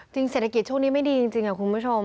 เศรษฐกิจช่วงนี้ไม่ดีจริงค่ะคุณผู้ชม